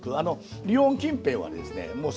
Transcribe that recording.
リヨン近辺はですね